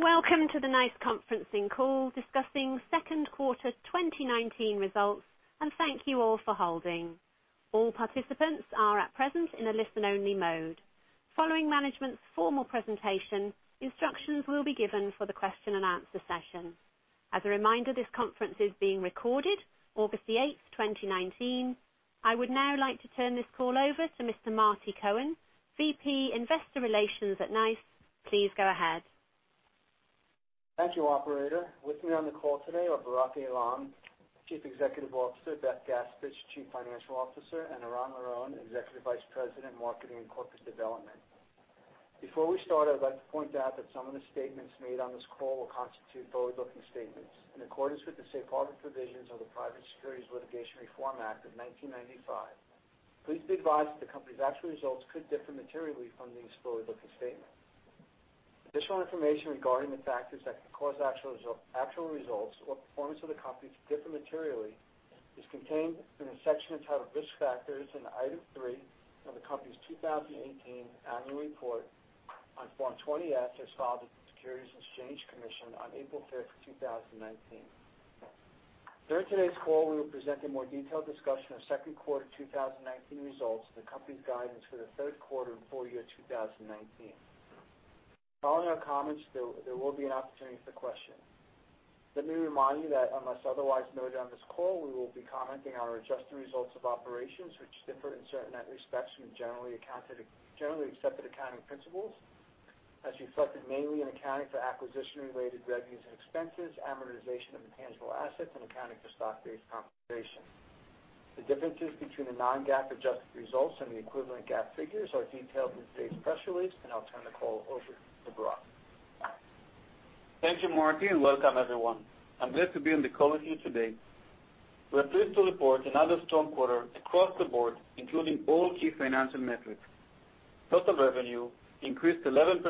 Welcome to the NICE conference call discussing second quarter 2019 results, and thank you all for holding. All participants are at present in a listen-only mode. Following management's formal presentation, instructions will be given for the question and answer session. As a reminder, this conference is being recorded August the eighth, 2019. I would now like to turn this call over to Mr. Marty Cohen, VP Investor Relations at NICE. Please go ahead. Thank you, operator. With me on the call today are Barak Eilam, Chief Executive Officer, Beth Gaspich, Chief Financial Officer, and Eran Miron, Executive Vice President, Marketing and Corporate Development. Before we start, I'd like to point out that some of the statements made on this call will constitute forward-looking statements. In accordance with the safe harbor provisions of the Private Securities Litigation Reform Act of 1995, please be advised that the company's actual results could differ materially from these forward-looking statements. Additional information regarding the factors that could cause actual results or performance of the company to differ materially is contained in a section entitled Risk Factors in item three of the company's 2018 annual report on Form 20-F, as filed with the Securities and Exchange Commission on April 5th, 2019. During today's call, we will present a more detailed discussion of second quarter 2019 results and the company's guidance for the third quarter and full year 2019. Following our comments, there will be an opportunity for questions. Let me remind you that unless otherwise noted on this call, we will be commenting on our adjusted results of operations, which differ in certain respects from generally accepted accounting principles, as reflected mainly in accounting for acquisition-related revenues and expenses, amortization of intangible assets, and accounting for stock-based compensation. The differences between the non-GAAP adjusted results and the equivalent GAAP figures are detailed in today's press release. I'll turn the call over to Barak. Thank you, Marty, and welcome everyone. I'm glad to be on the call with you today. We are pleased to report another strong quarter across the board, including all key financial metrics. Total revenue increased 11%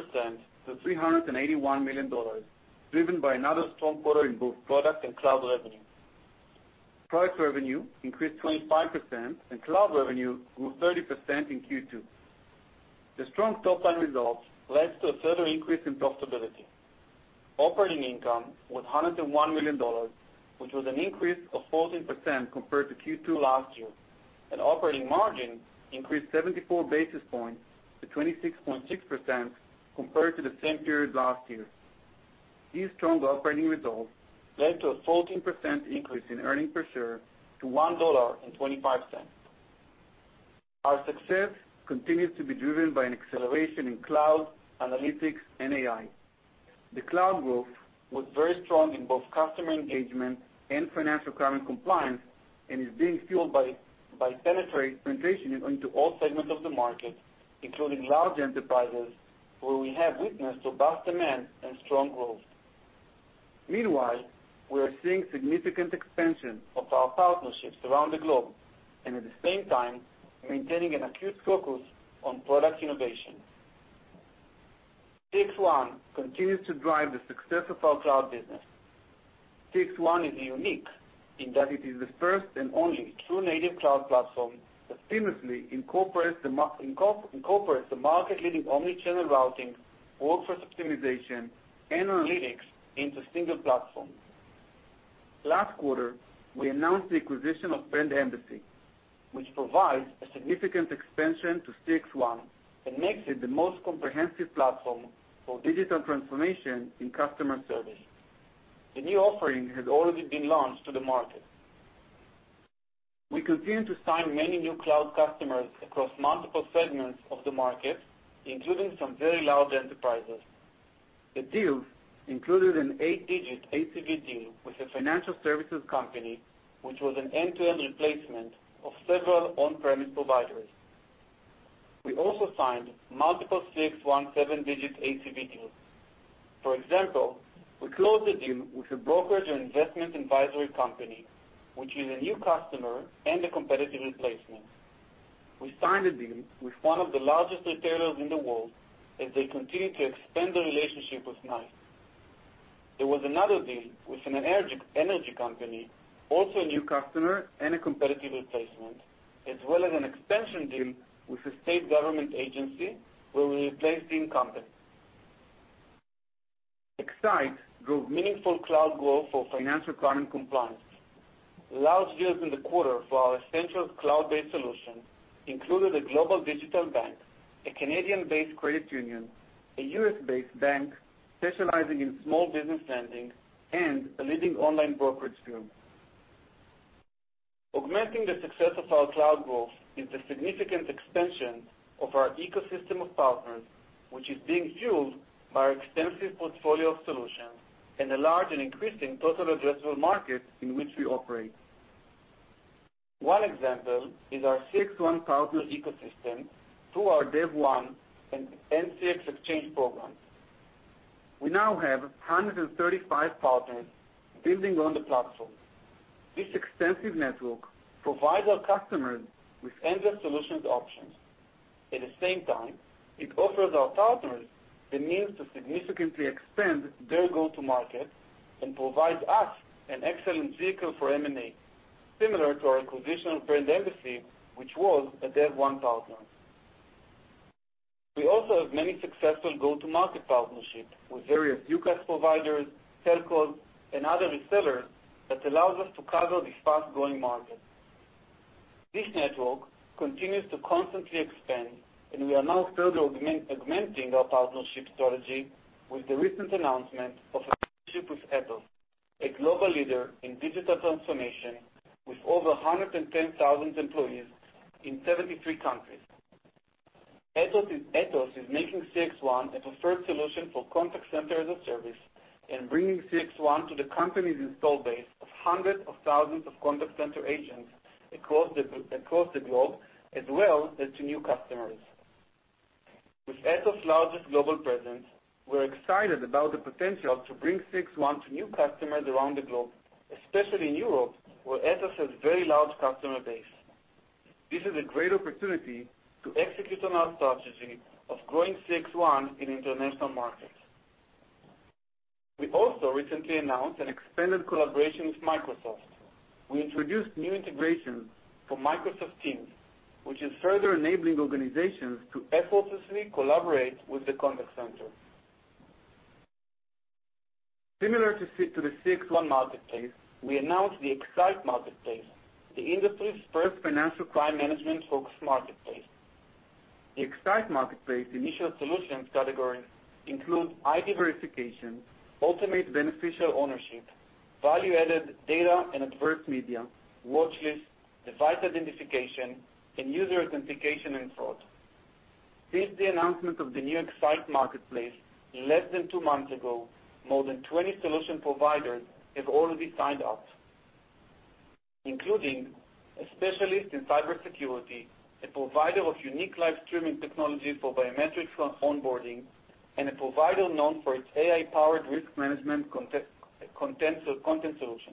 to $381 million, driven by another strong quarter in both product and cloud revenue. Product revenue increased 25% and cloud revenue grew 30% in Q2. The strong top-line results led to a further increase in profitability. Operating income was $101 million, which was an increase of 14% compared to Q2 last year, and operating margin increased 74 basis points to 26.6% compared to the same period last year. These strong operating results led to a 14% increase in earnings per share to $1.25. Our success continues to be driven by an acceleration in cloud, analytics, and AI. The cloud growth was very strong in both customer engagement and financial crime and compliance, and is being fueled by penetration into all segments of the market, including large enterprises, where we have witnessed robust demand and strong growth. Meanwhile, we are seeing significant expansion of our partnerships around the globe and at the same time, maintaining an acute focus on product innovation. CXone continues to drive the success of our cloud business. CXone is unique in that it is the first and only true native cloud platform that seamlessly incorporates the market-leading omni-channel routing, workforce optimization, and analytics into a single platform. Last quarter, we announced the acquisition of Brand Embassy, which provides a significant expansion to CXone and makes it the most comprehensive platform for digital transformation in customer service. The new offering has already been launched to the market. We continue to sign many new cloud customers across multiple segments of the market, including some very large enterprises. The deals included an eight-digit ACV deal with a financial services company, which was an end-to-end replacement of several on-premise providers. We also signed multiple CXone seven-digit ACV deals. For example, we closed a deal with a brokerage and investment advisory company, which is a new customer and a competitive replacement. We signed a deal with one of the largest retailers in the world as they continue to expand their relationship with NICE. There was another deal with an energy company, also a new customer and a competitive replacement, as well as an expansion deal with a state government agency where we replaced the incumbent. NICE Actimize drove meaningful cloud growth for financial crime and compliance. Large deals in the quarter for our essential cloud-based solution included a global digital bank, a Canadian-based credit union, a U.S.-based bank specializing in small business lending, and a leading online brokerage firm. Augmenting the success of our cloud growth is the significant expansion of our ecosystem of partners, which is being fueled by our extensive portfolio of solutions and a large and increasing total addressable market in which we operate. One example is our CXone partner ecosystem through our DEVone and CXexchange programs. We now have 135 partners building on the platform. This extensive network provides our customers with endless solutions options. At the same time, it offers our partners the means to significantly expand their go-to-market and provides us an excellent vehicle for M&A. Similar to our acquisition of Brand Embassy, which was a DEVone partner. We also have many successful go-to-market partnerships with various UCaaS providers, telcos, and other resellers that allows us to cover this fast-growing market. This network continues to constantly expand, we are now further augmenting our partnership strategy with the recent announcement of a partnership with Atos, a global leader in digital transformation with over 110,000 employees in 73 countries. Atos is making CXone a preferred solution for contact center as a service and bringing CXone to the company's install base of hundreds of thousands of contact center agents across the globe, as well as to new customers. With Atos' largest global presence, we're excited about the potential to bring CXone to new customers around the globe, especially in Europe, where Atos has a very large customer base. This is a great opportunity to execute on our strategy of growing CXone in international markets. We also recently announced an expanded collaboration with Microsoft. We introduced new integrations for Microsoft Teams, which is further enabling organizations to effortlessly collaborate with the contact center. Similar to the CXone marketplace, we announced the X-Sight Marketplace, the industry's first financial crime management focused marketplace. The X-Sight Marketplace initial solutions category includes ID verification, ultimate beneficial ownership, value-added data and adverse media, watchlist, device identification, and user authentication and fraud. Since the announcement of the new X-Sight Marketplace, less than two months ago, more than 20 solution providers have already signed up, including a specialist in cybersecurity, a provider of unique live streaming technology for biometric onboarding, and a provider known for its AI-powered risk management content solution.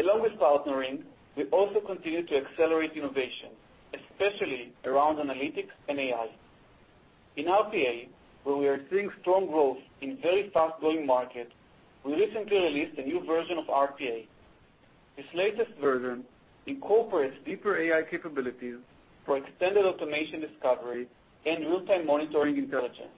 Along with partnering, we also continue to accelerate innovation, especially around analytics and AI. In RPA, where we are seeing strong growth in very fast-growing market, we recently released a new version of RPA. This latest version incorporates deeper AI capabilities for extended automation discovery and real-time monitoring intelligence.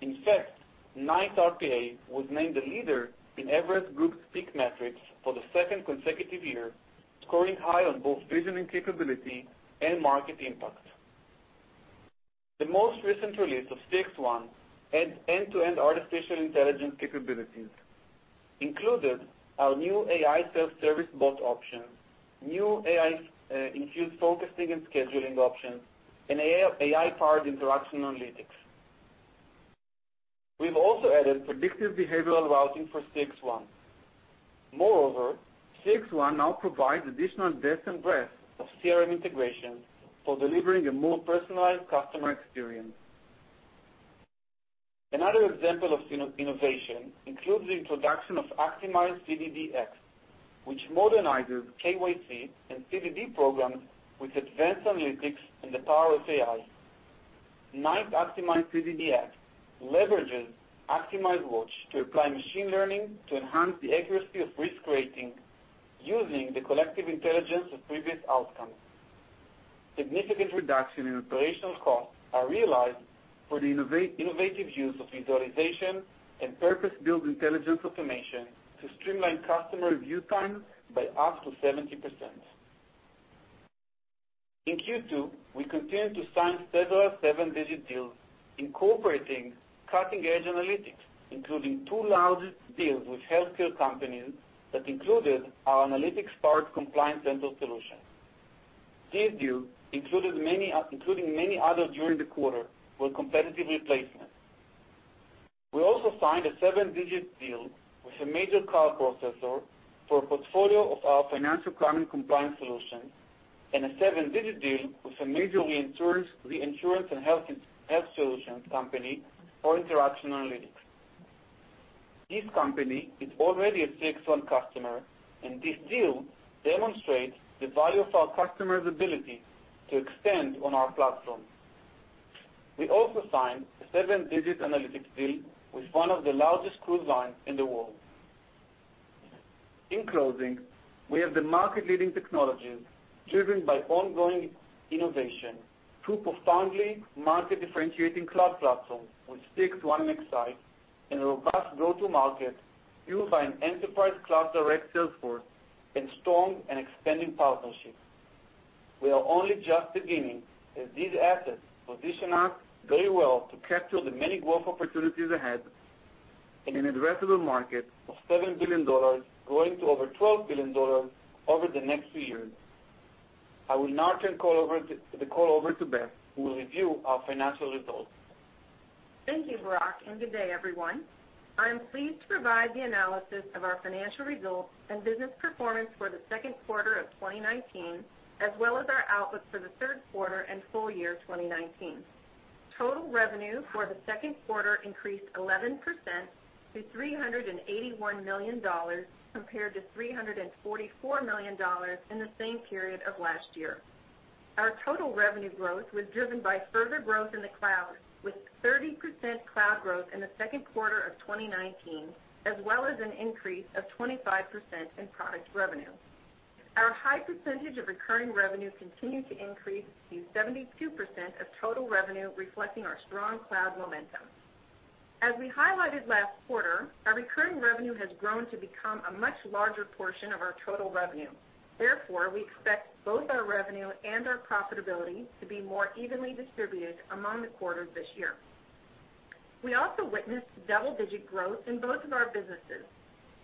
In fact, NICE RPA was named the leader in Everest Group's PEAK Matrix for the second consecutive year, scoring high on both vision and capability and market impact. The most recent release of CXone end-to-end artificial intelligence capabilities included our new AI self-service bot option, new AI-infused focusing and scheduling options, and AI-powered interaction analytics. We've also added predictive behavioral routing for CXone. CXone now provides additional depth and breadth of CRM integration for delivering a more personalized customer experience. Another example of innovation includes the introduction of Actimize CDD-X, which modernizes KYC and CDD programs with advanced analytics and the power of AI. NICE Actimize CDD-X leverages ActimizeWatch to apply machine learning to enhance the accuracy of risk rating using the collective intelligence of previous outcomes. Significant reduction in operational costs are realized for the innovative use of visualization and purpose-built intelligence automation to streamline customer review time by up to 70%. In Q2, we continued to sign several 7-digit deals incorporating cutting-edge analytics, including two largest deals with healthcare companies that included our analytics-powered compliance center solution. These deals, including many others during the quarter, were competitive replacements. We also signed a 7-digit deal with a major card processor for a portfolio of our financial crime and compliance solutions and a 7-digit deal with a major reinsurance and health solutions company for interaction analytics. This company is already a CXone customer, and this deal demonstrates the value of our customer's ability to extend on our platform. We also signed a 7-digit analytics deal with one of the largest cruise lines in the world. In closing, we have the market-leading technologies driven by ongoing innovation through profoundly market-differentiating cloud platforms with CXone and X-Sight and a robust go-to-market fueled by an enterprise-class direct sales force and strong and expanding partnerships. These assets position us very well to capture the many growth opportunities ahead in an addressable market of $7 billion, growing to over $12 billion over the next few years. I will now turn the call over to Beth, who will review our financial results. Thank you, Barak, and good day, everyone. I am pleased to provide the analysis of our financial results and business performance for the second quarter of 2019, as well as our outlook for the third quarter and full year 2019. Total revenue for the second quarter increased 11% to $381 million compared to $344 million in the same period of last year. Our total revenue growth was driven by further growth in the cloud, with 30% cloud growth in the second quarter of 2019, as well as an increase of 25% in product revenue. Our high percentage of recurring revenue continued to increase to 72% of total revenue, reflecting our strong cloud momentum. As we highlighted last quarter, our recurring revenue has grown to become a much larger portion of our total revenue. Therefore, we expect both our revenue and our profitability to be more evenly distributed among the quarters this year. We also witnessed double-digit growth in both of our businesses.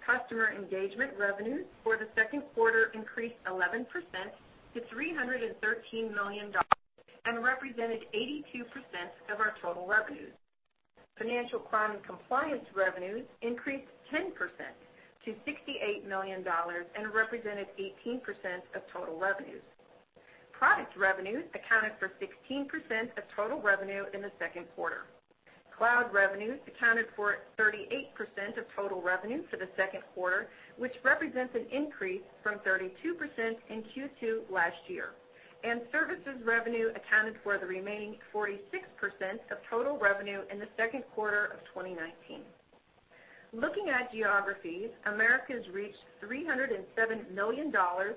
Customer Engagement revenues for the second quarter increased 11% to $313 million and represented 82% of our total revenues. Financial Crime and Compliance revenues increased 10% to $68 million and represented 18% of total revenues. Product revenues accounted for 16% of total revenue in the second quarter. Cloud revenues accounted for 38% of total revenue for the second quarter, which represents an increase from 32% in Q2 last year. Services revenue accounted for the remaining 46% of total revenue in the second quarter of 2019. Looking at geographies, Americas reached $307 million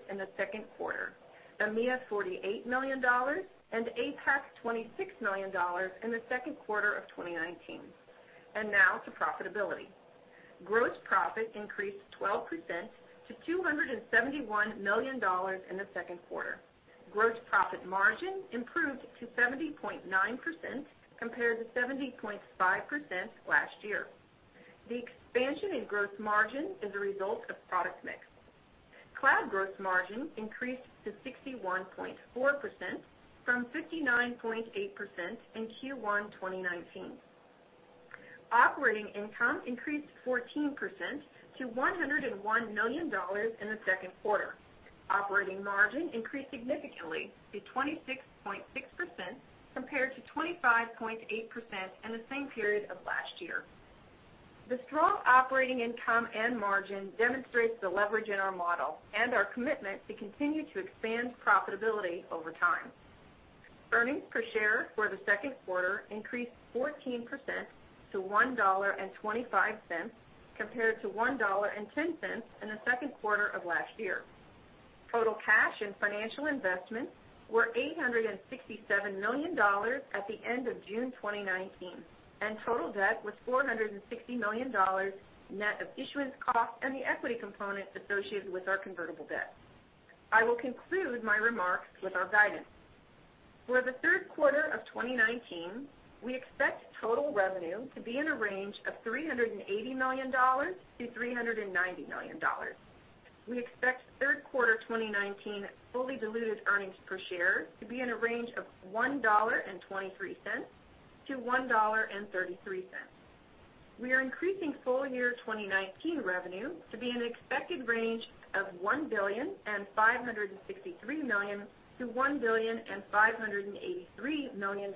in the second quarter, EMEA, $48 million, and APAC, $26 million in the second quarter of 2019. Now to profitability. Gross profit increased 12% to $271 million in the second quarter. Gross profit margin improved to 70.9% compared to 70.5% last year. The expansion in gross margin is a result of product mix. Cloud gross margin increased to 61.4% from 59.8% in Q1 2019. Operating income increased 14% to $101 million in the second quarter. Operating margin increased significantly to 26.6% compared to 25.8% in the same period of last year. The strong operating income and margin demonstrates the leverage in our model and our commitment to continue to expand profitability over time. Earnings per share for the second quarter increased 14% to $1.25 compared to $1.10 in the second quarter of last year. Total cash and financial investments were $867 million at the end of June 2019, and total debt was $460 million net of issuance cost and the equity component associated with our convertible debt. I will conclude my remarks with our guidance. For the third quarter of 2019, we expect total revenue to be in a range of $380 million-$390 million. We expect third quarter 2019 fully diluted earnings per share to be in a range of $1.23-$1.33. We are increasing full year 2019 revenue to be in an expected range of $1,563 million-$1,583 million.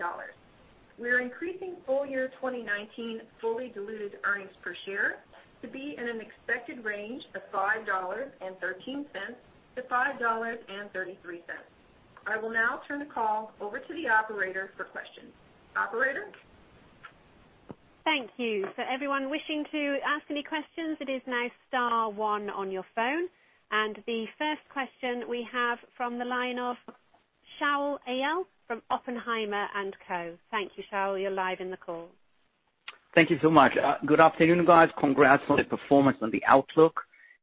We are increasing full year 2019 fully diluted earnings per share to be in an expected range of $5.13-$5.33. I will now turn the call over to the operator for questions. Operator? Thank you. Everyone wishing to ask any questions, it is now star one on your phone. The first question we have from the line of Shaul Eyal from Oppenheimer & Co. Thank you, Shaul, you're live in the call. Thank you so much. Good afternoon, guys. Congrats on the performance and the outlook.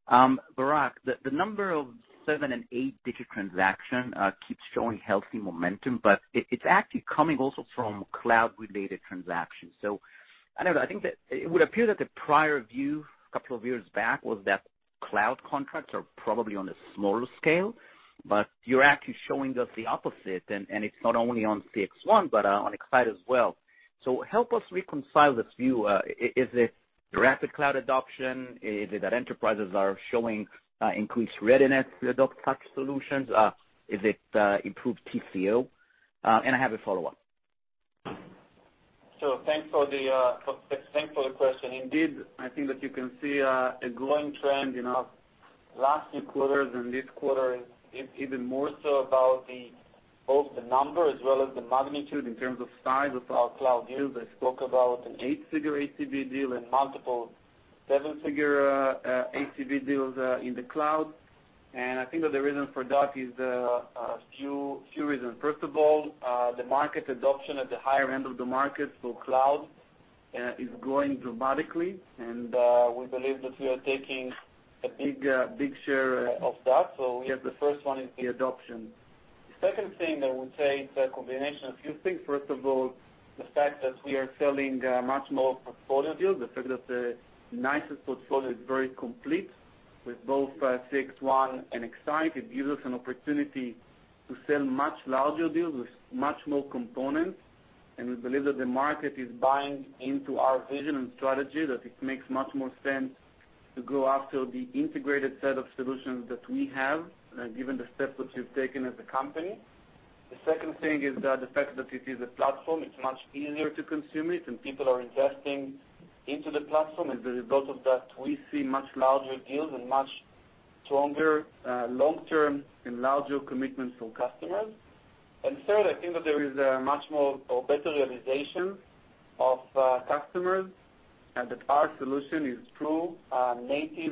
Barak, the number of seven- and eight-digit transaction keeps showing healthy momentum, but it's actually coming also from cloud-related transactions. I think that it would appear that the prior view a couple of years back was that cloud contracts are probably on a smaller scale, but you're actually showing us the opposite, and it's not only on CXone but on X-Sight as well. Help us reconcile this view. Is it rapid cloud adoption? Is it that enterprises are showing increased readiness to adopt such solutions? Is it improved TCO? And I have a follow-up. Thanks for the question. Indeed, I think that you can see a growing trend in our last few quarters and this quarter is even more so about both the number as well as the magnitude in terms of size of our cloud deals. I spoke about an 8-figure ACV deal and multiple 7-figure ACV deals in the cloud. I think that the reason for that is a few reasons. First of all, the market adoption at the higher end of the market for cloud is growing dramatically, and we believe that we are taking a big share of that. The first one is the adoption. The second thing I would say is a combination of few things. The fact that we are selling much more portfolio deals, the fact that the NICE's portfolio is very complete with both CXone and X-Sight, it gives us an opportunity to sell much larger deals with much more components. We believe that the market is buying into our vision and strategy, that it makes much more sense to go after the integrated set of solutions that we have given the steps that we've taken as a company. The second thing is the fact that it is a platform, it's much easier to consume it, and people are investing into the platform. As a result of that, we see much larger deals and much stronger long-term and larger commitments from customers. Third, I think that there is a much more or better realization of customers, and that our solution is true,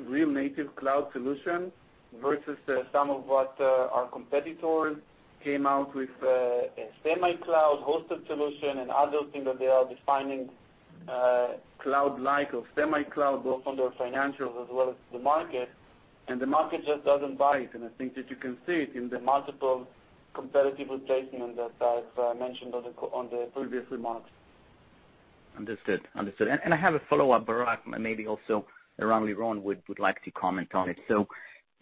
real native cloud solution versus some of what our competitors came out with a semi-cloud hosted solution and other things that they are defining cloud-like or semi-cloud, both on their financials as well as the market. The market just doesn't buy it. I think that you can see it in the multiple competitive replacement that I've mentioned on the previous remarks. Understood. I have a follow-up, Barak, and maybe also Ran, Liron would like to comment on it.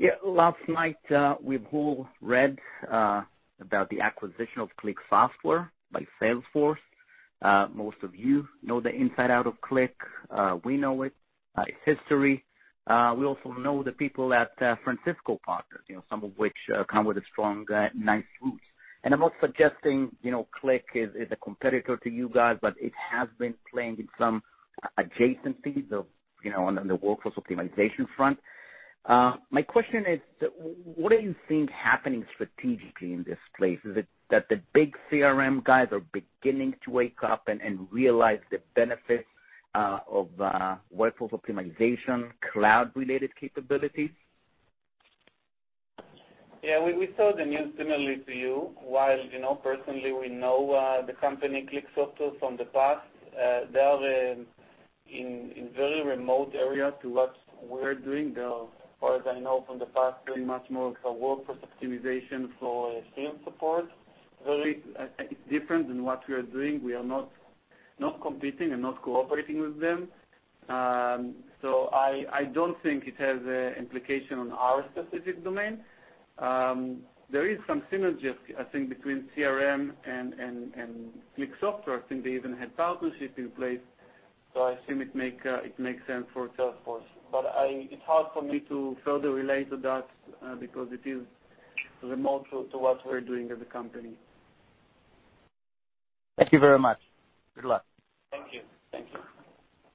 Yeah, last night, we've all read about the acquisition of ClickSoftware by Salesforce. Most of you know the inside out of ClickSoftware. We know it, its history. We also know the people at Francisco Partners, some of which come with a strong NICE roots. I'm not suggesting ClickSoftware is a competitor to you guys, but it has been playing in some adjacencies on the workforce optimization front. My question is, what do you think happening strategically in this place? Is it that the big CRM guys are beginning to wake up and realize the benefits of workforce optimization, cloud-related capabilities? Yeah, we saw the news similarly to you. While personally, we know the company ClickSoftware from the past, they are in very remote area to what we're doing. As far as I know from the past, doing much more of a workforce optimization for stream support. Very, I think different than what we are doing. We are not competing and not cooperating with them. I don't think it has a implication on our strategic domain. There is some synergies, I think, between CRM and ClickSoftware. I think they even had partnership in place, so I assume it makes sense for Salesforce. It's hard for me to further relate to that because it is remote to what we're doing as a company. Thank you very much. Good luck. Thank you.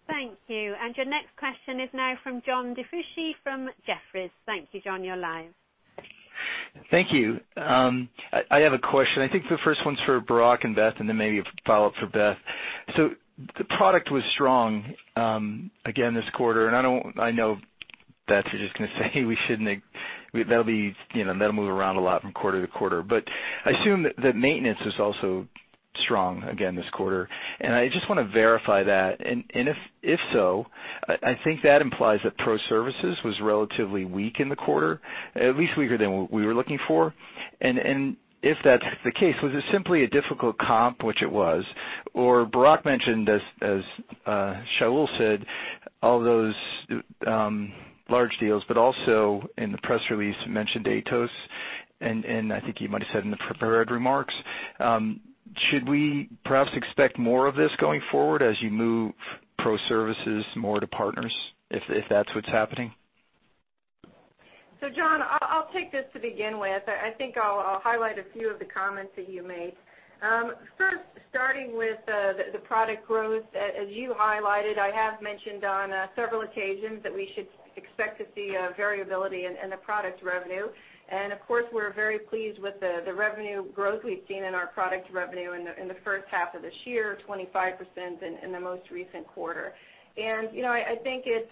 Thank you. Your next question is now from John DiFucci from Jefferies. Thank you, John. You're live. Thank you. I have a question. I think the first one's for Barak and Beth, and then maybe a follow-up for Beth. The product was strong, again, this quarter, and I know Beth, you're just going to say that'll move around a lot from quarter to quarter. I assume that maintenance was also strong again this quarter, and I just want to verify that. If so, I think that implies that pro services was relatively weak in the quarter, at least weaker than what we were looking for. If that's the case, was it simply a difficult comp, which it was, or Barak mentioned, as Shaul said, all those large deals, but also in the press release, you mentioned Atos, and I think you might've said in the prepared remarks. Should we perhaps expect more of this going forward as you move pro services more to partners, if that's what's happening? John, I'll take this to begin with. I think I'll highlight a few of the comments that you made. First, starting with the product growth, as you highlighted, I have mentioned on several occasions that we should expect to see variability in the product revenue. Of course, we're very pleased with the revenue growth we've seen in our product revenue in the first half of this year, 25% in the most recent quarter. I think it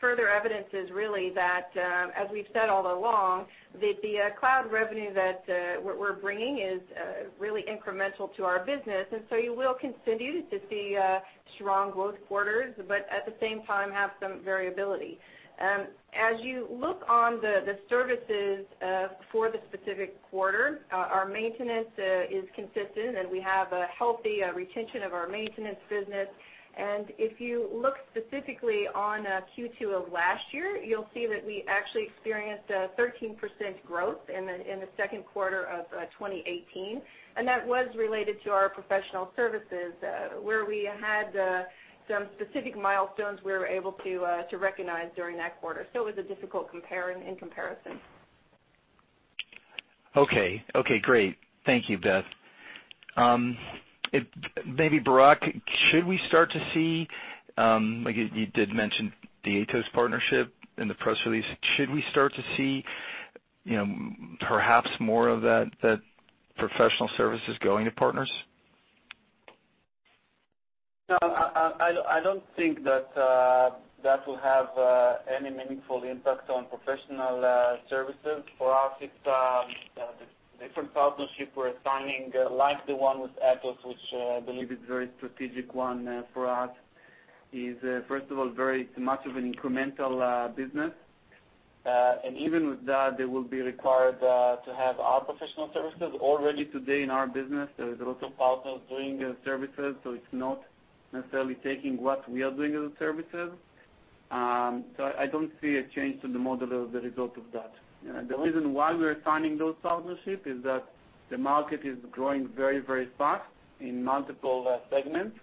further evidences really that, as we've said all along, the cloud revenue that we're bringing is really incremental to our business. You will continue to see strong growth quarters, but at the same time, have some variability. As you look on the services for the specific quarter, our maintenance is consistent, and we have a healthy retention of our maintenance business. If you look specifically on Q2 of last year, you'll see that we actually experienced a 13% growth in the second quarter of 2018, and that was related to our professional services, where we had some specific milestones we were able to recognize during that quarter. It was a difficult in comparison. Okay. Okay, great. Thank you, Beth. Maybe Barak, should we start to see, you did mention the Atos partnership in the press release. Should we start to see perhaps more of that professional services going to partners? No, I don't think that will have any meaningful impact on professional services. For us, it's the different partnership we're signing, like the one with Atos, which I believe is a very strategic one for us, first of all, very much of an incremental business. Even with that, they will be required to have our professional services. Already today in our business, there is a lot of partners doing services, so it's not necessarily taking what we are doing as services. I don't see a change to the model as a result of that. The reason why we're signing those partnership is that the market is growing very fast in multiple segments.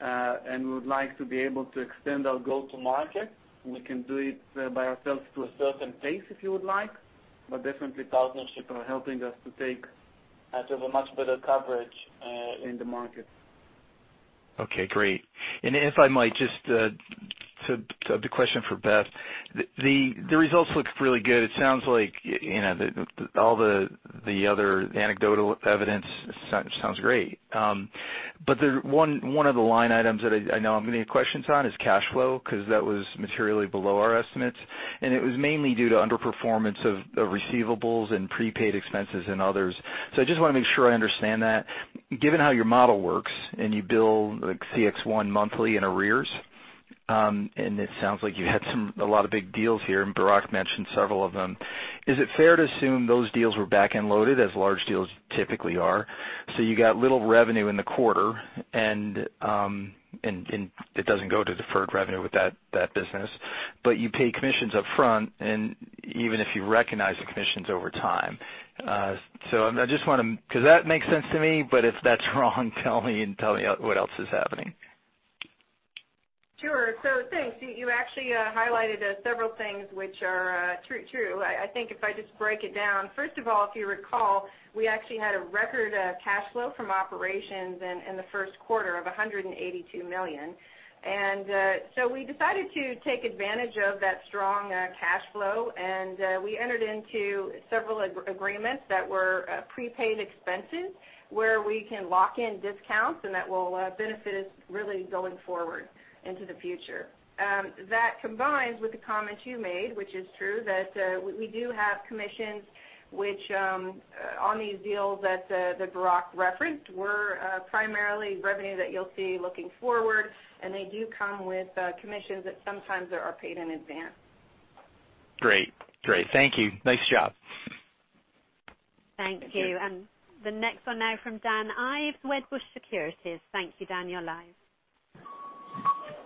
We would like to be able to extend our go to market. We can do it by ourselves to a certain pace, if you would like. Definitely, partnership are helping us to have a much better coverage in the market. Okay, great. If I might, just the question for Beth. The results look really good. It sounds like all the other anecdotal evidence sounds great. One of the line items that I know I'm going to get questions on is cash flow, because that was materially below our estimates, and it was mainly due to underperformance of receivables and prepaid expenses and others. I just want to make sure I understand that. Given how your model works and you bill CXone monthly in arrears, and it sounds like you had a lot of big deals here, and Barak mentioned several of them. Is it fair to assume those deals were back-end loaded as large deals typically are? You got little revenue in the quarter, and it doesn't go to deferred revenue with that business. You pay commissions upfront, and even if you recognize the commissions over time. That makes sense to me, but if that's wrong, tell me and tell me what else is happening. Sure. Thanks. You actually highlighted several things which are true. I think if I just break it down, first of all, if you recall, we actually had a record cash flow from operations in the first quarter of $182 million. We decided to take advantage of that strong cash flow, and we entered into several agreements that were prepaid expenses where we can lock in discounts and that will benefit us really going forward into the future. That combines with the comments you made, which is true, that we do have commissions, which, on these deals that Barak referenced, were primarily revenue that you'll see looking forward, and they do come with commissions that sometimes are paid in advance. Great. Thank you. Nice job. Thank you. The next one now from Dan Ives, Wedbush Securities. Thank you, Dan. You're live.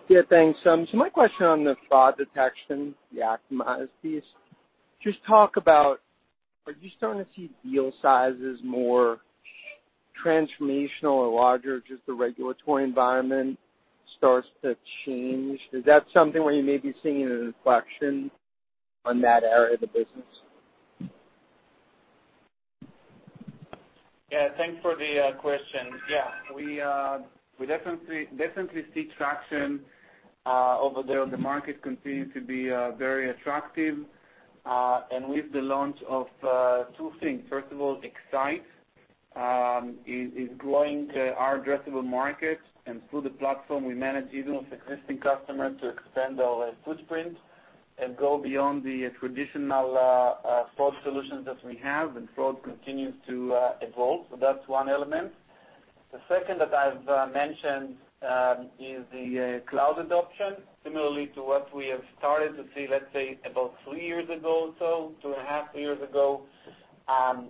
Yeah, thanks. My question on the fraud detection, the Actimize piece. Just talk about, are you starting to see deal sizes more transformational or larger, just the regulatory environment starts to change? Is that something where you may be seeing an inflection on that area of the business? Thanks for the question. We definitely see traction over there. The market continues to be very attractive. With the launch of two things, first of all, X-Sight is growing our addressable market. Through the platform, we manage even with existing customers to extend our footprint and go beyond the traditional fraud solutions that we have. Fraud continues to evolve. That's one element. The second that I've mentioned is the cloud adoption. Similarly to what we have started to see, let's say about three years ago or so, two and a half, three years ago, on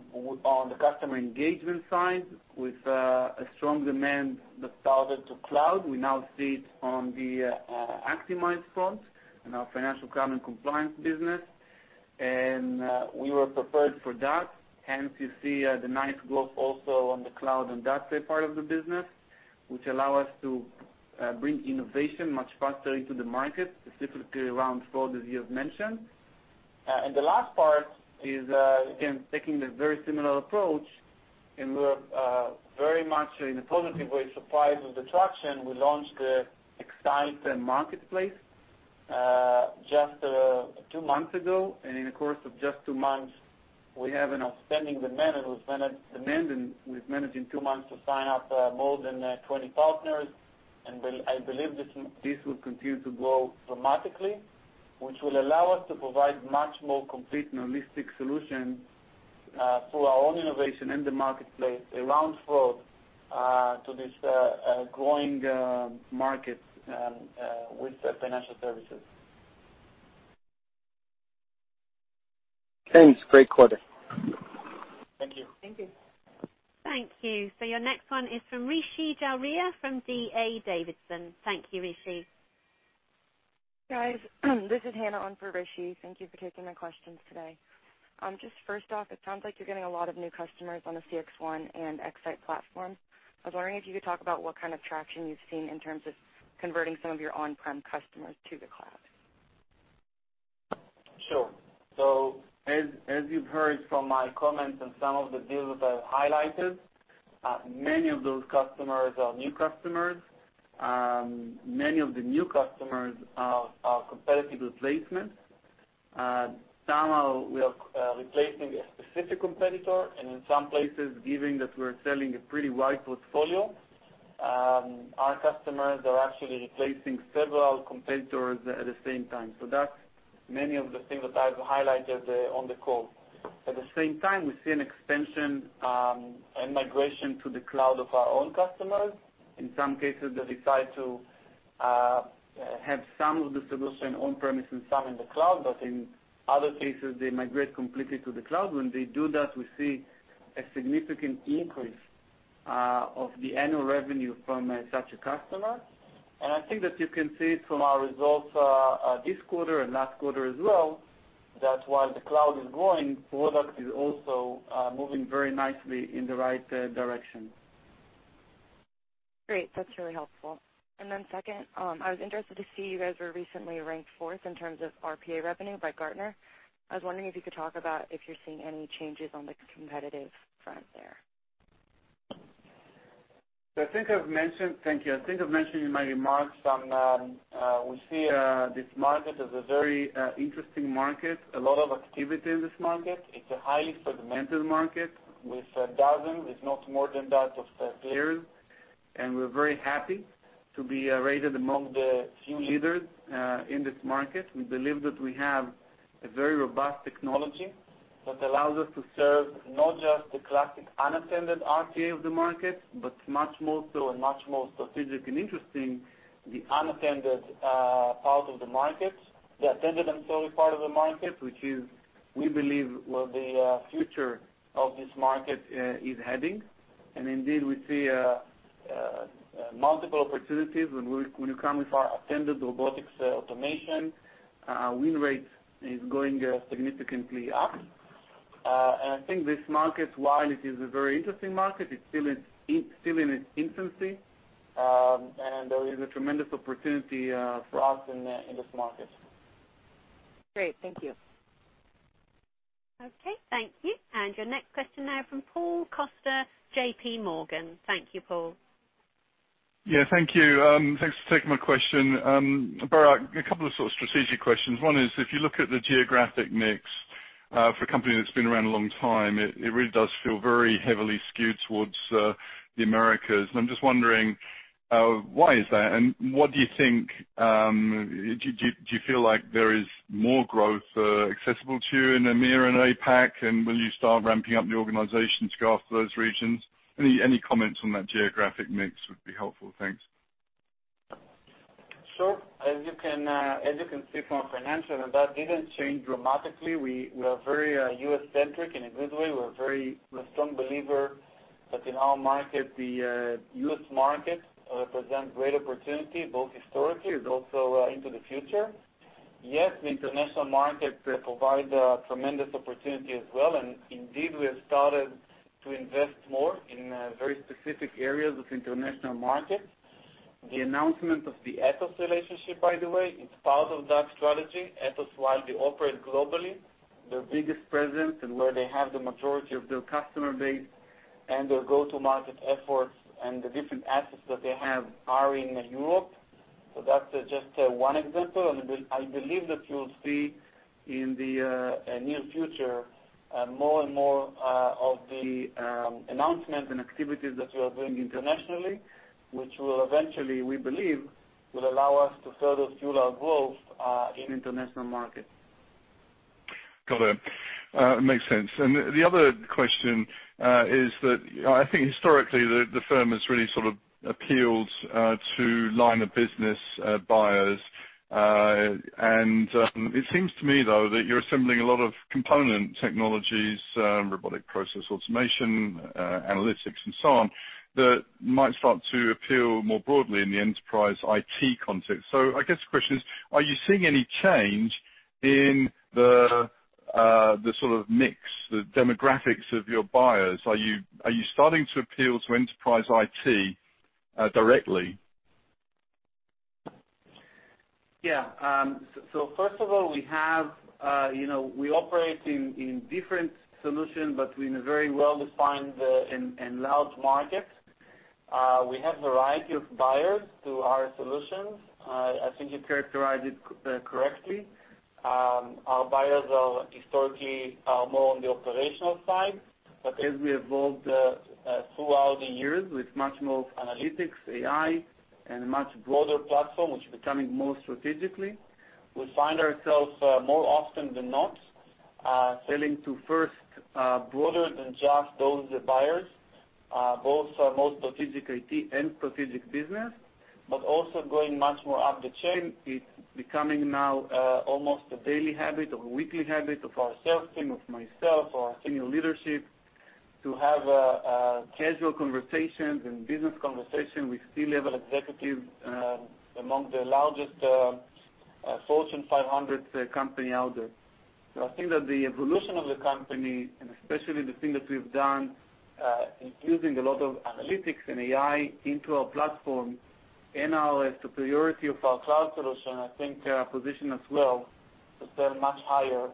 the customer engagement side, with a strong demand that started to cloud. We now see it on the Actimize front in our financial crime and compliance business. We were prepared for that. Hence, you see the NICE growth also on the cloud and data part of the business, which allow us to bring innovation much faster into the market, specifically around fraud, as you have mentioned. The last part is, again, taking the very similar approach, and we're very much, in a positive way, surprised with the traction. We launched the X-Sight Marketplace just two months ago. In the course of just two months, we have an outstanding demand, and we've managed in two months to sign up more than 20 partners. I believe this will continue to grow dramatically, which will allow us to provide much more complete and holistic solutions through our own innovation in the Marketplace around fraud to this growing market with financial services. Thanks. Great quarter. Thank you. Thank you. Thank you. Your next one is from Rishi Jaluria from D.A. Davidson. Thank you, Rishi. Guys, this is Hannah on for Rishi. Thank you for taking my questions today. First off, it sounds like you're getting a lot of new customers on the CXone and X-Sight platforms. I was wondering if you could talk about what kind of traction you've seen in terms of converting some of your on-prem customers to the cloud. Sure. As you've heard from my comments and some of the deals that I've highlighted, many of those customers are new customers. Many of the new customers are competitive replacements. Some are replacing a specific competitor, and in some places, given that we're selling a pretty wide portfolio, our customers are actually replacing several competitors at the same time. That's many of the things that I've highlighted on the call. At the same time, we see an extension and migration to the cloud of our own customers. In some cases, they decide to have some of the solution on-premise and some in the cloud. In other cases, they migrate completely to the cloud. When they do that, we see a significant increase of the annual revenue from such a customer. I think that you can see it from our results this quarter and last quarter as well, that while the cloud is growing, product is also moving very nicely in the right direction. Great. That's really helpful. Second, I was interested to see you guys were recently ranked fourth in terms of RPA revenue by Gartner. I was wondering if you could talk about if you're seeing any changes on the competitive front there. Thank you. I think I've mentioned in my remarks, we see this market as a very interesting market. A lot of activity in this market. It's a highly segmented market with a dozen, if not more than that, of players, and we're very happy to be rated among the few leaders in this market. We believe that we have a very robust technology that allows us to serve not just the classic unattended RPA of the market, but much more so and much more strategic and interesting, the unattended part of the market, the attended and semi part of the market, which is, we believe, where the future of this market is heading. Indeed, we see multiple opportunities when you come with our attended robotics automation. Win rate is going significantly up. I think this market, while it is a very interesting market, it's still in its infancy. There is a tremendous opportunity for us in this market. Great. Thank you. Okay, thank you. Your next question now from Paul Coster, JPMorgan. Thank you, Paul. Yeah, thank you. Thanks for taking my question. Barak, a couple of sort of strategic questions. One is, if you look at the geographic mix for a company that's been around a long time, it really does feel very heavily skewed towards the Americas. I'm just wondering, why is that, and what do you think, do you feel like there is more growth accessible to you in EMEA and APAC, and will you start ramping up the organization to go after those regions? Any comments on that geographic mix would be helpful. Thanks. Sure. As you can see from our financials, that didn't change dramatically. We are very U.S.-centric in a good way. We're a strong believer that in our market, the U.S. market represents great opportunity, both historically and also into the future. Yes, the international market provide a tremendous opportunity as well, and indeed, we have started to invest more in very specific areas of international markets. The announcement of the Atos relationship, by the way, is part of that strategy. Atos, while they operate globally, their biggest presence and where they have the majority of their customer base and their go-to-market efforts and the different assets that they have are in Europe. That's just one example. I believe that you'll see in the near future, more and more of the announcements and activities that we are doing internationally, which will eventually, we believe, will allow us to further fuel our growth in international markets. Got it. Makes sense. The other question is that I think historically, the firm has really sort of appealed to line-of-business buyers. It seems to me, though, that you're assembling a lot of component technologies, Robotic Process Automation, analytics, and so on, that might start to appeal more broadly in the enterprise IT context. I guess the question is, are you seeing any change in the sort of mix, the demographics of your buyers? Are you starting to appeal to enterprise IT directly? Yeah. First of all, we operate in different solutions, but in a very well-defined and large markets. We have a variety of buyers to our solutions. I think you characterize it correctly. Our buyers are historically are more on the operational side. As we evolved throughout the years with much more analytics, AI, and a much broader platform, which is becoming more strategic, we find ourselves more often than not, selling to first, broader than just those buyers, both our most strategic IT and strategic business, but also going much more up the chain. It's becoming now almost a daily habit or weekly habit of our sales team, of myself, our senior leadership, to have casual conversations and business conversations with C-level executives among the largest Fortune 500 company out there. I think that the evolution of the company, and especially the thing that we've done, including a lot of analytics and AI into our platform and our superiority of our cloud solution, I think position us well to sell much higher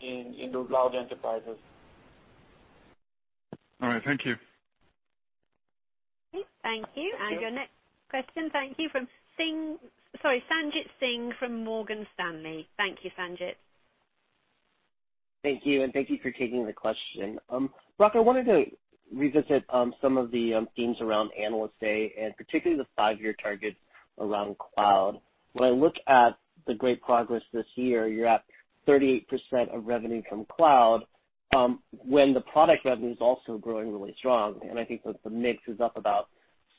in those large enterprises. All right. Thank you. Okay. Thank you. Thank you. Your next question, thank you, Sanjit Singh from Morgan Stanley. Thank you, Sanjit. Thank you, and thank you for taking the question. Barak, I wanted to revisit some of the themes around Analyst Day, and particularly the five-year targets around cloud. When I look at the great progress this year, you're at 38% of revenue from cloud, when the product revenue is also growing really strong. I think that the mix is up about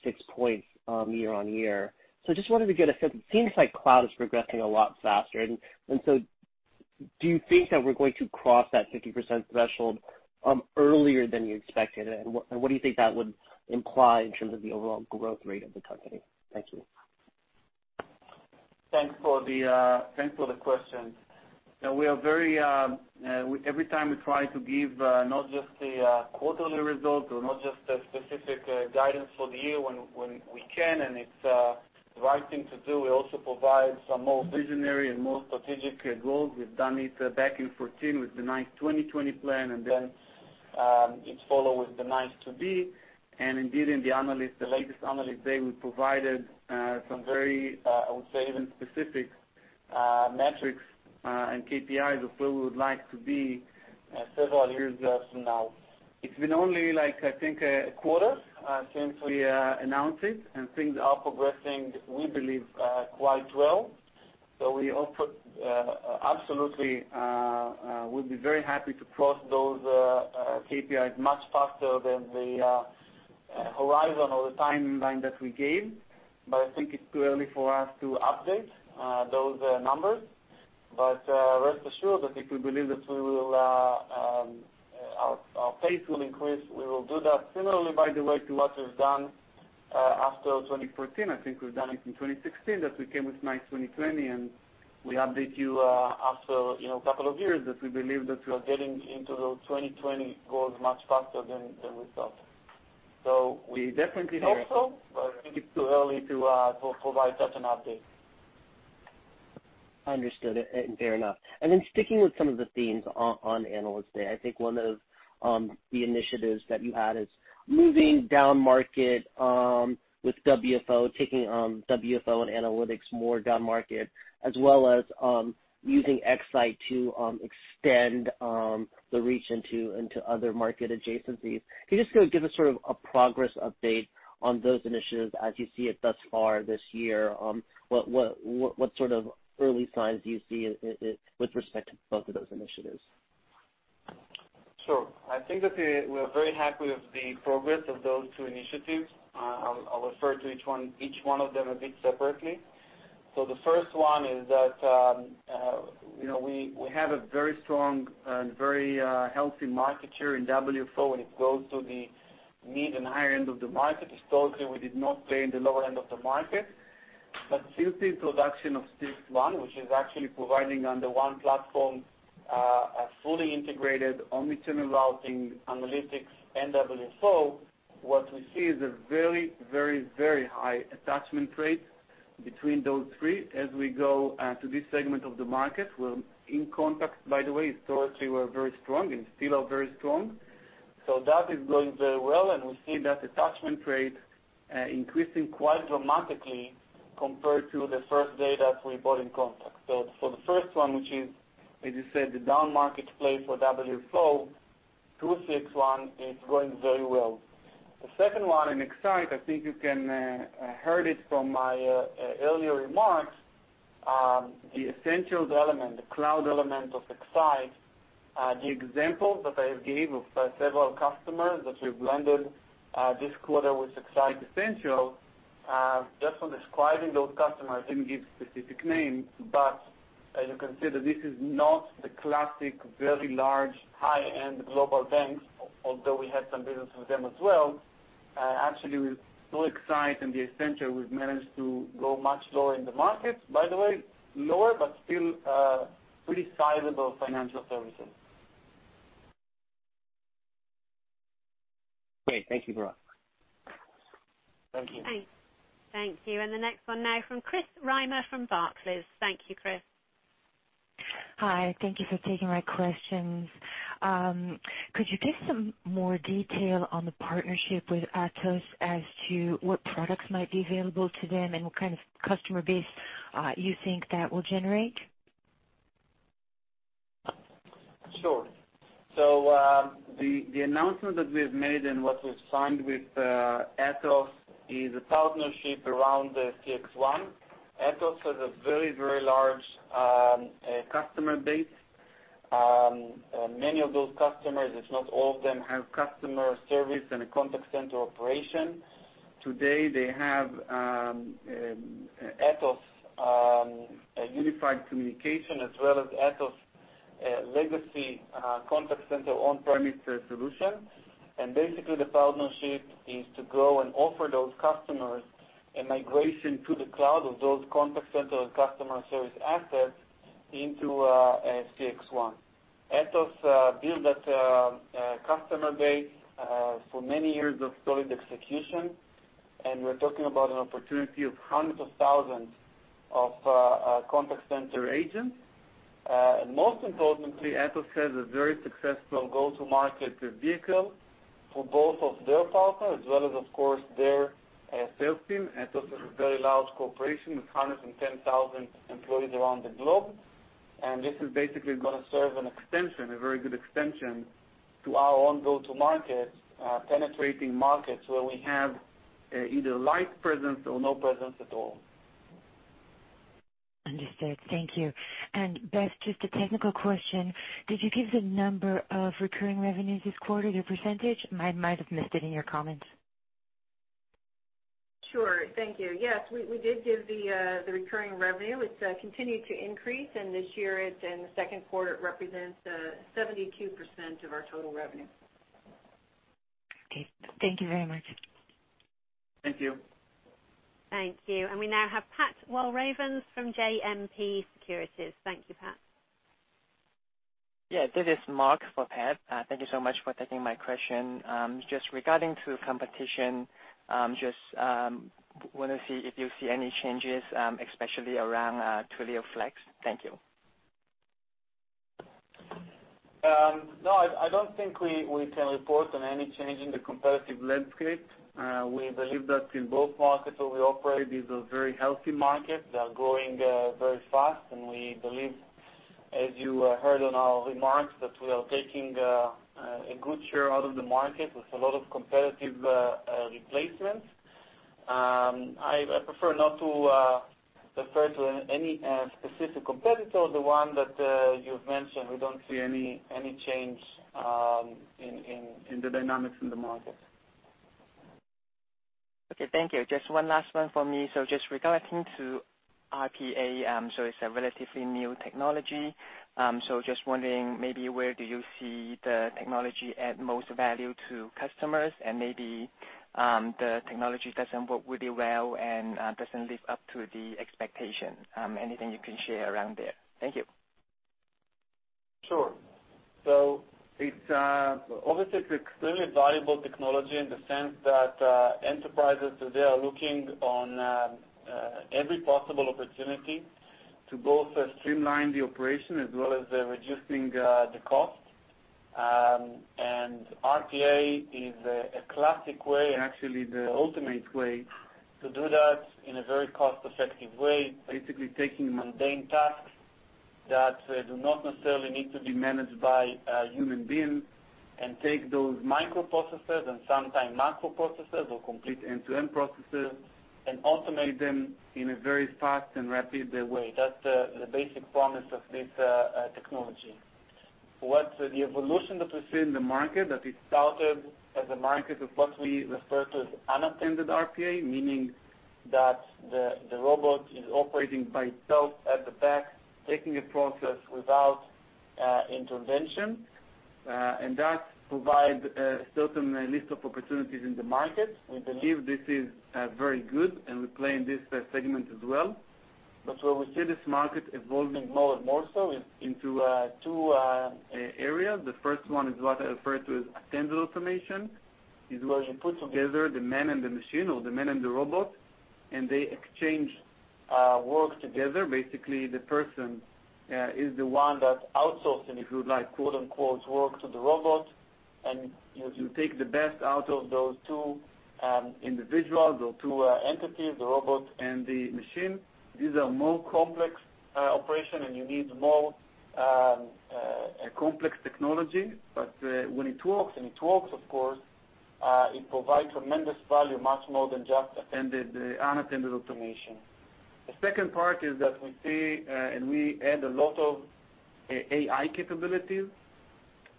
6 points year-over-year. I just wanted to get a sense. It seems like cloud is progressing a lot faster. Do you think that we're going to cross that 50% threshold earlier than you expected? What do you think that would imply in terms of the overall growth rate of the company? Thank you. Thanks for the question. Every time we try to give not just the quarterly results or not just the specific guidance for the year when we can, and it's the right thing to do, we also provide some more visionary and more strategic goals. We've done it back in 2014 with the NICE 2020 plan, and then it followed with the NICE to be. Indeed, in the latest Analyst Day, we provided some very, I would say, even specific metrics and KPIs of where we would like to be several years from now. It's been only, I think, a quarter since we announced it, and things are progressing, we believe, quite well. We absolutely would be very happy to cross those KPIs much faster than the horizon or the timeline that we gave. I think it's too early for us to update those numbers. Rest assured that if we believe that our pace will increase, we will do that similarly, by the way, to what we've done after 2014. I think we've done it in 2016, that we came with NICE 2020, and we update you after a couple of years that we believe that we are getting into those 2020 goals much faster than we thought. We definitely hope so, but I think it's too early to provide such an update. Understood. Fair enough. Sticking with some of the themes on Analyst Day, I think one of the initiatives that you had is moving down market with WFO, taking WFO and analytics more down market, as well as using X-Sight to extend the reach into other market adjacencies. Can you just give us sort of a progress update on those initiatives as you see it thus far this year? What sort of early signs do you see with respect to both of those initiatives? Sure. I think that we are very happy with the progress of those two initiatives. I will refer to each one of them a bit separately. The first one is that we have a very strong and very healthy market share in WFO, and it goes to the mid and higher end of the market. Historically, we did not play in the lower end of the market. Since the introduction of CXone, which is actually providing under one platform, a fully integrated omni-channel routing, analytics, and WFO, what we see is a very high attachment rate between those three as we go to this segment of the market. In contact, by the way, historically, we are very strong and still are very strong. That is going very well, and we see that attachment rate increasing quite dramatically compared to the first data we bought in contact. For the first one, which is, as you said, the down market play for WFO through CXone, is going very well. The second one in X-Sight, I think you heard it from my earlier remarks, the Essentials element, the cloud element of X-Sight. The examples that I have gave of several customers that we've landed this quarter with X-Sight Essentials, just from describing those customers, I didn't give specific names, but as you can see that this is not the classic, very large, high-end global banks, although we have some business with them as well. Actually, through X-Sight and the Essentials, we've managed to go much lower in the markets, by the way, lower, but still pretty sizable financial services. Great. Thank you, Barak. Thank you. Thanks. Thank you. The next one now from Chris Rimer from Barclays. Thank you, Chris. Hi. Thank you for taking my questions. Could you give some more detail on the partnership with Atos as to what products might be available to them and what kind of customer base you think that will generate? Sure. The announcement that we have made and what we've signed with Atos is a partnership around the CXone. Atos has a very large customer base. Many of those customers, if not all of them, have customer service and a contact center operation. Today, they have Atos Unified Communication, as well as Atos Legacy Contact Center on-premise solution. Basically, the partnership is to go and offer those customers a migration to the cloud of those contact center and customer service assets into CXone. Atos built that customer base for many years of solid execution, and we're talking about an opportunity of hundreds of thousands of contact center agents. Most importantly, Atos has a very successful go-to-market vehicle for both of their partners as well as, of course, their sales team. Atos is a very large corporation with hundreds and 10,000 employees around the globe. This is basically going to serve an extension, a very good extension, to our own go-to-market, penetrating markets where we have either light presence or no presence at all. Understood. Thank you. Beth, just a technical question. Did you give the number of recurring revenues this quarter, the percentage? I might have missed it in your comments. Sure. Thank you. Yes, we did give the recurring revenue. It's continued to increase, and this year, in the second quarter, it represents 72% of our total revenue. Okay. Thank you very much. Thank you. Thank you. We now have Pat Walravens from JMP Securities. Thank you, Pat. Yeah. This is Mark for Pat. Thank you so much for taking my question. Regarding competition, I just want to see if you see any changes, especially around Twilio Flex. Thank you. No, I don't think we can report on any change in the competitive landscape. We believe that in both markets where we operate, these are very healthy markets that are growing very fast. We believe, as you heard on our remarks, that we are taking a good share out of the market with a lot of competitive replacements. I prefer not to refer to any specific competitor. The one that you've mentioned, we don't see any change in the dynamics in the market. Okay, thank you. Just one last one for me. Just regarding to RPA, so it's a relatively new technology. Just wondering maybe where do you see the technology add most value to customers and maybe the technology doesn't work really well and doesn't live up to the expectation. Anything you can share around there? Thank you. Sure. Obviously, it's extremely valuable technology in the sense that, enterprises today are looking on every possible opportunity to both streamline the operation as well as reducing the cost. RPA is a classic way, actually the ultimate way, to do that in a very cost-effective way. Basically taking mundane tasks that do not necessarily need to be managed by a human being and take those microprocesses and sometimes macro processes or complete end-to-end processes and automate them in a very fast and rapid way. That's the basic promise of this technology. What the evolution that we see in the market, that it started as a market of what we refer to as unattended RPA, meaning that the robot is operating by itself at the back, taking a process without intervention. That provide a certain list of opportunities in the market. We believe this is very good, and we play in this segment as well. Where we see this market evolving more and more so into two areas. The first one is what I refer to as attended automation, where you put together the man and the machine or the man and the robot, and they exchange work together. Basically, the person is the one that's outsourcing, if you like, quote-unquote, work to the robot. As you take the best out of those two individuals or two entities, the robot and the machine, these are more complex operations, and you need more complex technology. When it works, and it works, of course, it provides tremendous value, much more than just unattended automation. The second part is that we see, and we add a lot of AI capabilities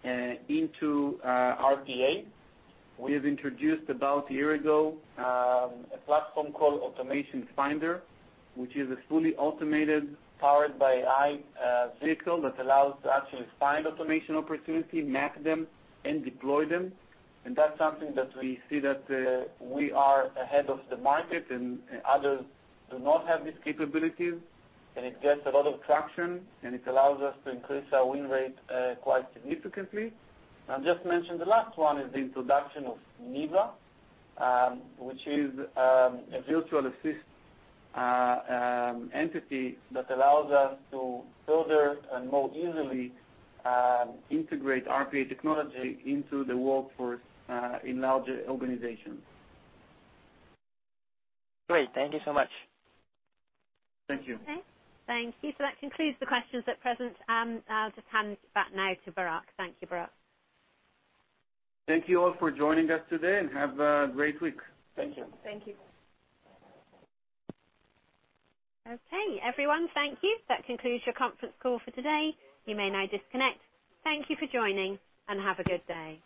into RPA. We have introduced about a year ago, a platform called Automation Finder, which is a fully automated, powered by AI, vehicle that allows to actually find automation opportunity, map them, and deploy them. That's something that we see that we are ahead of the market and others do not have these capabilities. It gets a lot of traction, and it allows us to increase our win rate quite significantly. I'll just mention the last one is the introduction of NEVA, which is a virtual assist entity that allows us to further and more easily integrate RPA technology into the workforce in larger organizations. Great. Thank you so much. Thank you. Okay. Thank you. That concludes the questions at present. I'll just hand back now to Barak. Thank you, Barak. Thank you all for joining us today, and have a great week. Thank you. Thank you. Okay, everyone, thank you. That concludes your conference call for today. You may now disconnect. Thank you for joining, and have a good day.